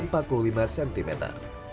sehat kondisi sehat itu